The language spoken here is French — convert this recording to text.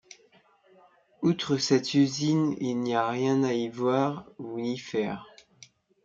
Outre cette usine, il n'il y a rien à y voir, ou y faire.